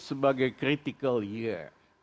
sebagai critical year